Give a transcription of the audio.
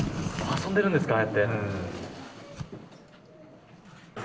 遊んでいるんですかね。